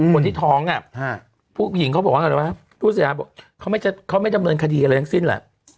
คนที่ท้องอ่ะผู้หญิงเขาบอกว่าอะไรวะผู้สื่อข่าบอกว่าเขาไม่จำนวนคดีอะไรทั้งสิ้นแหละ